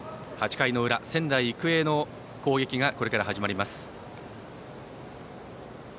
８回の裏、仙台育英の攻撃がこれから始まります。